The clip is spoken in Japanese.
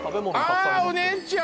あーお姉ちゃん！